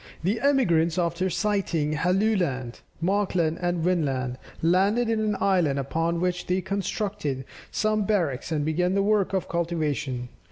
The emigrants after sighting Helluland, Markland, and Vinland, landed in an island, upon which they constructed some barracks and began the work of cultivation.